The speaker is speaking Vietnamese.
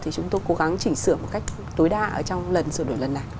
thì chúng tôi cố gắng chỉnh sửa một cách tối đa trong lần sửa đổi lần này